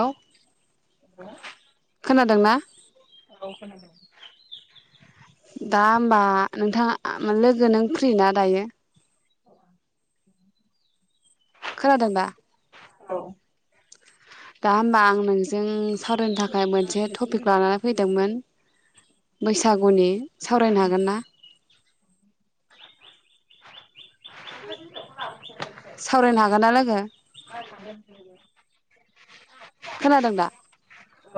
हेल' औ खोनादोंना? औ खोनादों। दा होमबा नोंथाङा लोगो नों फ्रिना दायो? [inaudible] खोनादोंना? औ दा होमबा आं मोनसे जों सावरायनो थाखाय मोनसे टपिक लानानै फैदोंमोन बैसागुनि सावरायनो हागोन ना? सावरायनो हागोन ना लोगो? खोनादों दा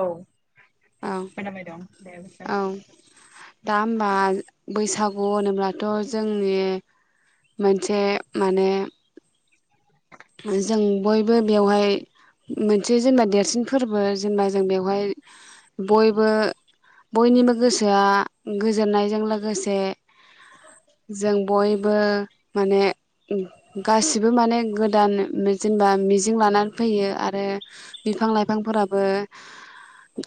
औ औ खोनाबाय दं दे बुंसाय औ दा होमबा बैसागु होनोब्लाथ' जोंनि मोनसे माने जों बयबो बेवहाय मोनसे जेनेबा देरसिन फोरबो जेनेबा जों बेवहाय बयबो बयनिबो गोसोआ गोजोननायजों लोगोसे जों बयबो माने गासिबो माने गोदान मेजेनबा मिजिं लानानै फैयो आरो बिफां लाइफांफोराबो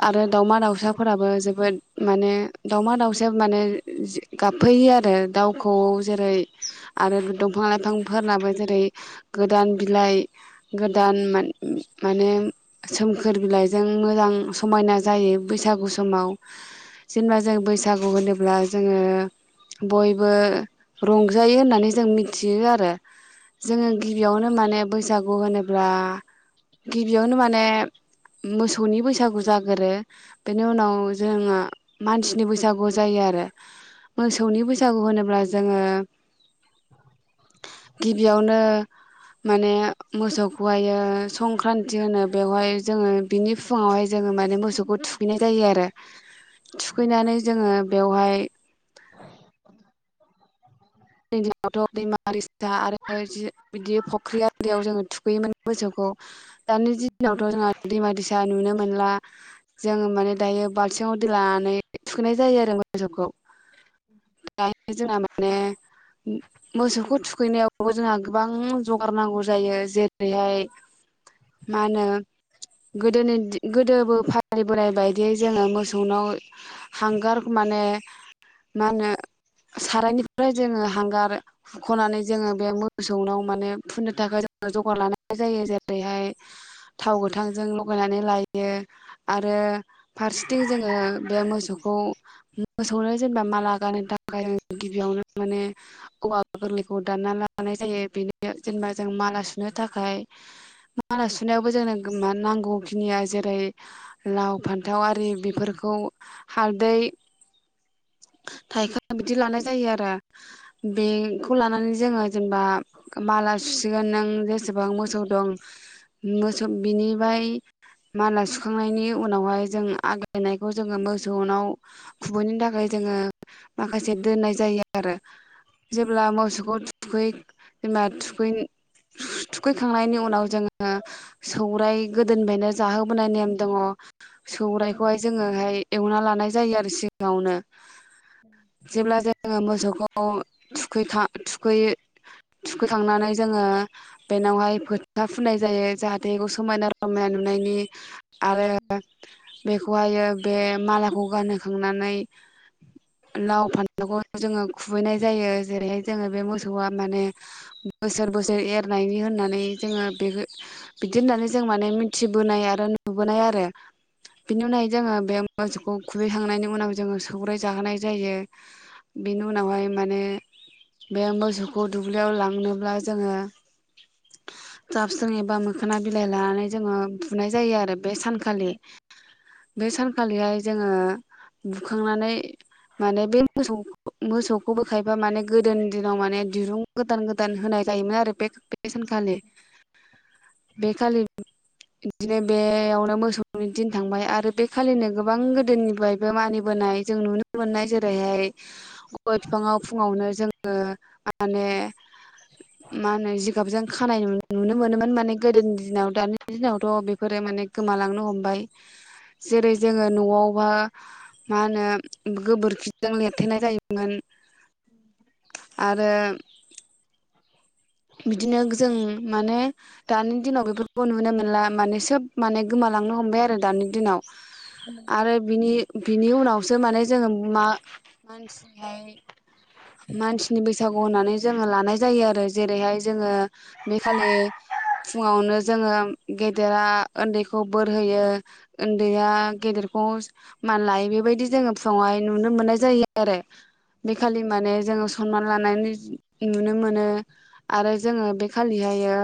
आरो दावमा दाउसाफोराबो जोबोद माने दावमा दाउसा माने गाबफैयो आरो दाउखौ जेरै आरो दंफां लाइफांफोरनाबो जेरै गोदान बिलाइ गोदान माने सोमखोर बिलाइजों मोजां समायना जायो बैसागु समाव जेनेबा जों बैसागु होनोब्ला जोङो बयबो रंजायो होननानै जों मिथियो आरो। ओम यावनो माने बैसागु होनोब्ला गिबियावनो माने ओम मोसौनि बैसागु जागोरो बेनि उनाव जोङो मानसिनि बैसागु जायो आरो मोसौनि बैसागु होनोब्ला जोङो गिबियावनो माने मोसौखौहायो संख्रान्ति होनो बेवहाय जोङो बिनि फुङावहाय जोङो माने मोसौखौ थुखैनाय जायो आरो थुखैनानै जोङो बेवहाय जानि दिनावथ' दैमा दैसा आरो जि बिदि फख्रि आरियाव जोङो थुखैयोमोन मोसौखौ। दानि दिनावथ' जोंहा दैमा दैसा नुनो मोनला जों माने दायो बाल्थिङाव दै लानानै थुखैनाय जायो आरो मोसौखौ दायो। जोंना माने मोसौखौ थुखैनायावबो जोंहा गोबां जगार नांगौ जायो। जेरैहाय मा होनो गोदोनि दि गोदोबो फालिबोनाय बायदियै जोङो मोसौनाव हांगार माने मा होनो सारायनिफ्राय जोङो हांगार हुख'नानै जोङो बे मोसौनाव माने फुननो थाखाय जोङो जगार लानाय जायो। जेरैहाय थाव गोथांजों लगायनानै लायो आरो फारसेथिं जोङो बे मोसौखौ मोसौनो जेनेबा माला गाननो थाखाय जों गिबियावनो माने औवा गोरलैखौ दानना लानाय जायो। बेनो जेनेबा जों माला सुनो थाखाय माला सुनायावबो जोंनो मा नांगौ खिनिया जेरै लाव फान्थाव आरि बेफोरखौ हालदै थाइखा बिदि लानाय जायो आरो बेखौ लानानै जोङो। जेनेबा बाला सुसिगोन नों जे एसेबां मोसौ दं मोसौ बिनिबाय माला सुखांनायनि उनावहाय जों आग्लायनायखौ जोङो मोसौनाव खुबैनो थाखाय जोङो माखासे दोननाय जायो। आरो जेब्ला मोसौखौ थुखै जेनेबा थुखै थुखैखांनायनि उनाव जोङो सौराय गोदोनिफ्रायनो जाहोबोनाय नेम दङ। सौरायखौहाय जोङोहाय एवना लानाय जायो आरो सिगावनो जेब्ला जे खौ थुखैखा थुखै थुखैखांनानै जोङो बेनावहाय फोथा फुननाय जायो। जाहाथे बेखौ समायना रमायना नुनायनि आरो बेखौहायो बे मालाखौ गानहोखांनानै लाव फान मोखौ जोङो खुबैनाय जायो जेरैहाय जोङो बे मोसौआ माने बोसोर बोसोर एरनायनि होननानै जोङो बेखौ बिदि होननानै जों माने मिथिबोनाय आरो नुबोनाय आरो बिनि उनावहाय जोङो बे मोसौखौ खुबैखांनायनि उनाव जोङो सौगरायाइ जाहोनाय जायो। बेनि उनावहाय माने बे मोसौखौ दुब्लियाव लांनोब्ला जोङो साबसं एबा मोखोना बिलाइ लानानै जोङो फुनाय जायो आरो बे सानखालि बे सानखालिहाय जोङो बुखांनानै माने बे मोसौ मोसौखौ बोखायोबा माने गोदोनि दिनाव माने दिरुं गोदान गोदान होनाय जायोमोन आरो बे सानखालि बे खालि बिदिनो बेयावनो मोसौनि दिन थांबाय आरो बे खालिनो गोबां गोदोनिफ्रायबो मानिबोनाय जों नुनो मोननाय जेरैहाय गय बिफाङाव फुङावनो जोङो माने माने जि गाबजों खानाय नुनो मोनोमोन माने गोदोनि दिनाव दानि दिनावथ' बेफोरो माने गोमालांनो हमबाय जेरै जोङो न'आवबा मा होनो गोबोरखिजों लिर थेनाय जायोमोन आरो बिदिनो जों माने दानि दिनाव बेफोरखौ नुनो मोनला माने सोब माने गोमा लांनो हमबाय आरो दानि दिनाव आरो बिनि बिनि उनावसो माने जोङो मा मानसिनिहाय मानसिनि बैसागु होननानै जोङो लानाय जायो आरो जेरैहाय जोङो बेखालि फुङावनो जोङो गेदेरा उन्दैखौ बोर होयो उन्दैया गेदेरखौ मान लायो बेबायदि जोङो फुङावहाय नुनो मोननाय जायो आरो बेखालि होनबाने जोङो सनमान लानाय नुनो मोनो आरो जोङो बे खालिहायो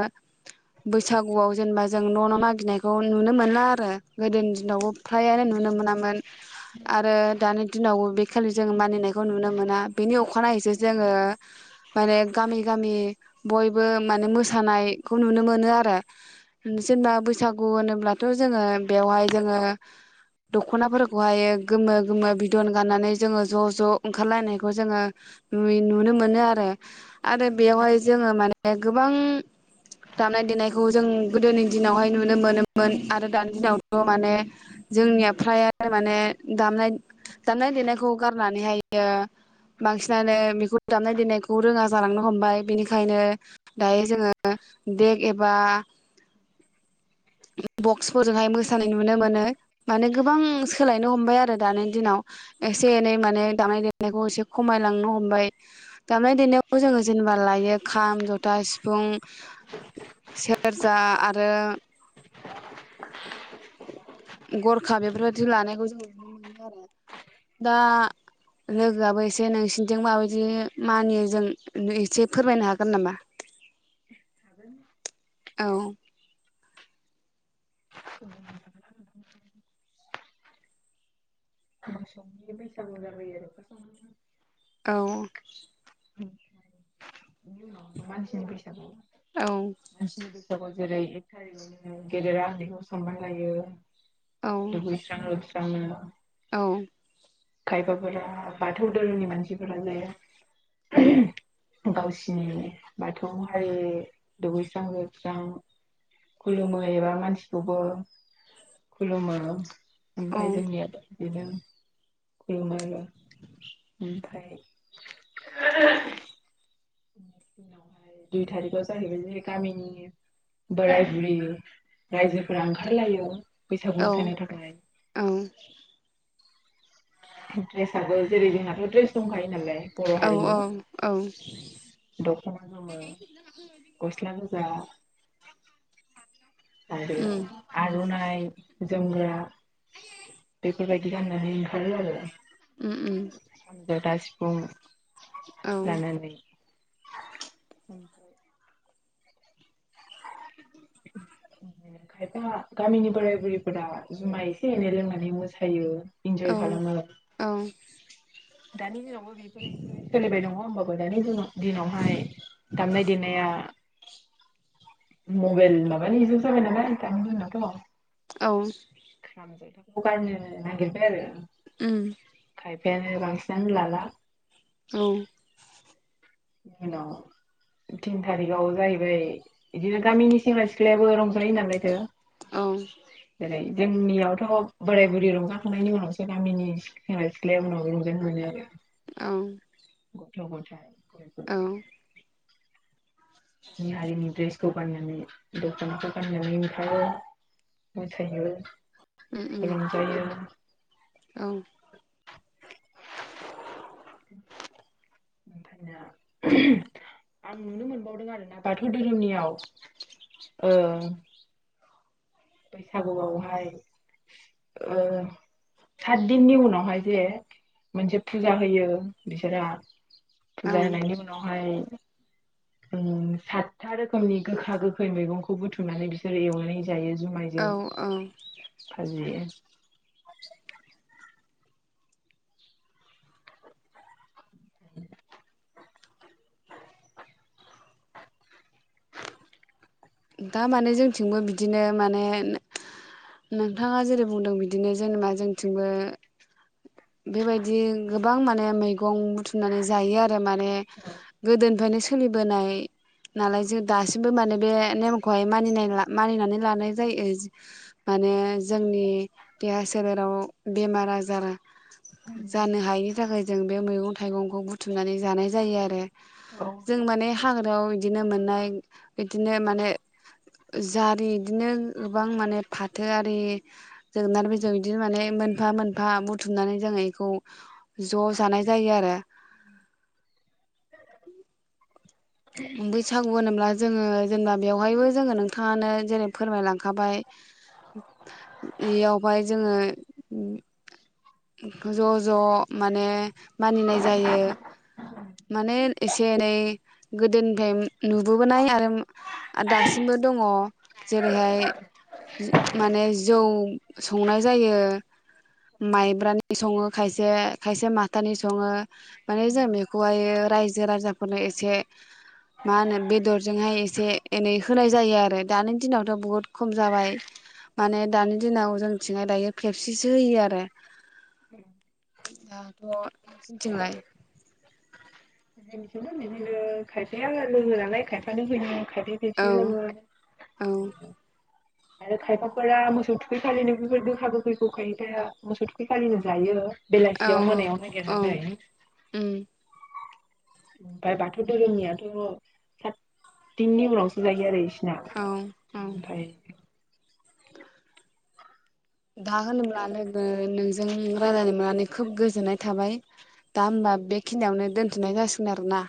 बैसागुआव जेनेबा जों न' न' मागिनायखौ नुनो मोनला आरो गोदोनि दिनावबो फ्रायानो नुनो मोना मोन आरो दानि दिनाव बेखालि जों मानिनायखौ नुनो मोना बेनि अखानायैसो जोङो माने गामि गामि बयबो माने मोसानायखौ नुनो मोनो आरोबाव होनसोदा बैसागु होनोब्ला ' जोङो बेवहाय जोङो दखनाफोरखौहाय गोमो गोमो बिदन गाननानै जोङो ज' ज' ओंखारलायनाय बेखौ जोङो नुनो मोनो आरो आरो बेयावहाय जोङो माने गोबां दामनाय देनायखौ जों गोदोनि दिनावहाय नुनो मोनोमोन आरो दानि दिनावथ' माने जोंनिया फ्राय माने दामनाय दामनाय देनायखौ गारनानैहायो बांसिनानो बेखौ दामनाय देनायखौ रोङा जालांनो हमबाय बेनिखायनो दायो जोङो देक एबा बक्सफोरजोंहाय मोसानाय नुनो मोनो माने गोबां सोलायनो हमबाय आरो दानि दिनाव एसे एनै माने दामनाय देनाय फनायखौ एसे खमायलांनो हमबाय दामनाय देनायाव जोङो जेनेबा लायो खाम जथा सिफुं [unintelligible] सेरजा आरो गरखा बेफोरबायदि लानायखौ जों नुनो मोनो आरो दा लोगोआबो एसे नोंसिनिजों माबायदि मानियो जों एसे फोरमायनो हागोन नामा थागोन औ [inaudible] [unintelligible] औ मानसिनि बैसा औ [unintelligible] हाव जेरै एक थारिखआवनो गेदेरा हैखौ सानमान लायो औ दुगैस्रां लोबस्रां [unintelligible] औ खायफाफोरा बाथौ धोरोमनि मानसिफोरा जाया गावसिनि बाथौ हारि दुगैस्रां लोबस्रां खुलुमो एबा मानसिखौबो खुलुमो। औ ओमफ्राय जोंनियाथ' बिदिनो [unintelligible] ने दिनावहाय दुइ थारिखाव जाहैबाय ज गामिनि बोराय बुरि रायजोफोरा ओंखारलायो बैसागु औ मोसानो थाखाय औ ड्रेसआबो जेरै जोंहाथ' ड्रेस दंखायो नालाय। बर' औ हारिनि औ दख'ना दङो गस्ला गोजा आरो उम आर'ननाइ जोमग्रा बेफोर बिदि गाननानै ओंखारो आरो उम उम [unintelligible] अ औ लानानैै उम [inaudible] खायफा गामिनि बोराय बुरैफोरा जुमाय एसे एनै लोंनानै मोसायो औ इन्जय खालामो औ दानि दिनाव [unintelligible] [unintelligible] दिनावहाय दामनाय देनाया मबाइल माबानि जाबाय नालाय दानाथ' औ [unintelligible] उम खायफायानो बांसिनानो लाला औ [unintelligible] तिन थारिखाव जाहैबाय बिदिनो गामिनि सेंग्रा सिख्लायाबो रंजानायायो होनलायथो औ जोंनियावथ' बोराय बुरै रंजाखांनायनि उनावसो गामिनि [unintelligible] गथ गथाय औ गावनि हारिनि दड्रेसखौ गाननानै दख'नाखौ गाननानै ओमफ्राय मोसायो बेनो जायो [inaudible] औ [unintelligible] बाथौ धोरोमनियाव ओ बैसागु [unintelligible] औ फुजा होनायनि [unintelligible] सातथा रोखोमनि औ जुमायजों औ फाजियो [inaudible] दा माने जोंथिंबो बिदिनो माने नों बेबायदि गोबां माने मेगं बुथुमनानै जायो आरो माने गोदोनि ओमफायनो सोलिबोनाय नालाय जों दासिमबो माने बे नेमखौहाय मानि मानिनानै लानाय जायो माने जोंनि देहा सोलेराव बेमार आजारा [unintelligible] जानो हायिनि थाखाय जों बे मैगं थाइगंखौ बुथुमनानै जानाय जायो आरो औ जों माने हाग्रायाव बिदिनो मोननाय बिदिनो माने जारि बिदिनो गोबां माने फाथो आरि जोगोनार बिजौ इग्नोर मोनफा मोनफा बुथुमनानौ बिखौ ज' जानाय जायो आरो बैसागु होन्ला जोङो जेनेबा बेवहायबो जोङो नोंथाङानो जेरै फोरमायलांखाबाय इयावहाय जोङो ज' ज' माने मानिनाय जायो माने एसे एनै गोदोनिफ्राय नुबोनाय आरो दासिमबो दङ' बेवहाय माने जौ संनाय जायो मायब्रानि सङो खायसे माथानि सङो माने जोङो बिखौहाय रायजो राजाफोरनो एसे मा होनो बेदरजोंहाय एसे एनै होनाय जायो आरो दानि दिनावथ' बहुत ख'म जाबाय माने दानि दिनाव जोंनिथिंहाय दायो पेपसिसो होयो आरो औ दाथ' नोंनिथिंलाय? [unintelligible] खायसे औ पेपसि लोङो औ आरो खायफाफोरा मोसौ थुखै फालिनो बेफोर दोखा गोखै गखायैथायाया मोसौ थुखै खालिनो जायो। औ बेलासियाव मोनायाव औ नागिरनै उम ओमफ्राय बाथौ धोरोमनियाथ' सात दिननि उनावसो जायो आरो इस औ औ। दा होनोब्ला लोगो नोंजों रायायनो मोननानै खोब गोजोननाय थाबाय दा होनबा बेखियावनो दोनथ'नाय जासिगोन आरोना।